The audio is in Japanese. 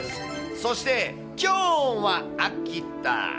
そして、きょうは秋田。